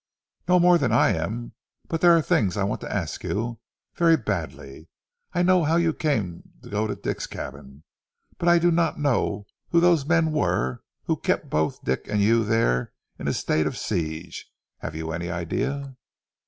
"Not more than I am. But there are things I want to ask you, very badly. I know how you came to go to Dick's cabin, but I do not know who those men were who kept both Dick and you there in a state of siege. Have you any idea?"